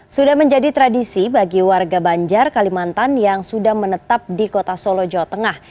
sudah menjadi tradisi bagi warga banjar kalimantan yang sudah menetap di kota solo jawa tengah